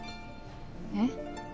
えっ？